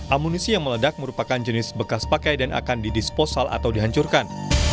amunisi yang meledak merupakan jenis bekas pakai dan akan didisposal atau dihancurkan